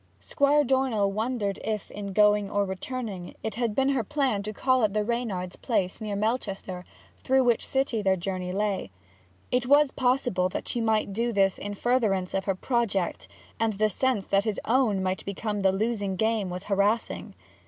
Squire Dornell wondered if, in going or returning, it had been her plan to call at the Reynards' place near Melchester, through which city their journey lay. It was possible that she might do this in furtherance of her project, and the sense that his own might become the losing game was harassing.